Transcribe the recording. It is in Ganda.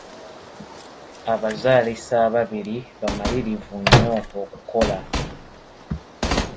Abazaalisa ababiri bamalirivu nnyo okukola.